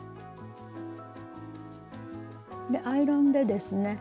アイロンでですね